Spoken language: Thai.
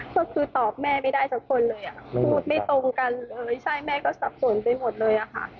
ก็คือตอบแม่ไม่ได้สักคนเลยอ่ะพูดไม่ตรงกันเลยไม่ใช่แม่ก็สับสนไปหมดเลยอะค่ะ